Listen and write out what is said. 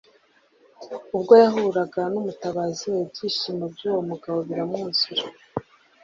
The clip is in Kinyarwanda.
Ubwo yahuraga n'Umutabazi we, ibyishimo by'uwo mugabo biramwuzura.